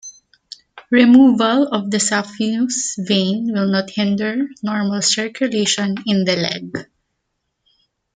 Removal of the saphenous vein will not hinder normal circulation in the leg.